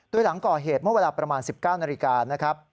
โดยหลังก่อเหตุเมื่อเวลาประมาณ๑๙นาฬิกานะครับ